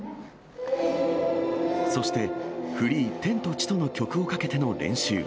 そして、フリー、天と地との曲をかけての練習。